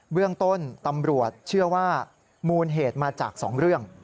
เรื่องต้นตำรวจเชื่อว่ามูลเหตุมาจาก๒เรื่อง